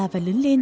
và lớn lên